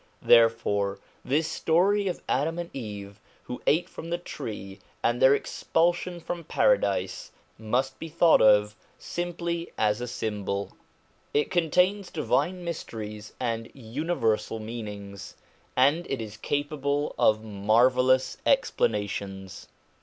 Therefore this story of Adam and Eve who ate from the tree, and their expulsion from Paradise, must be thought of simply as a symbol. It contains divine mysteries and universal meanings, and it is capable of marvellous explanations.